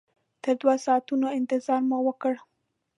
تر دوو ساعتونو انتظار مو وکړ.